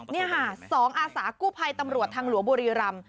นี่ฮะสองอาสากุภัยตำรวจทางหลัวบรีรัม